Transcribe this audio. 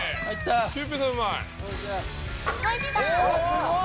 すごい！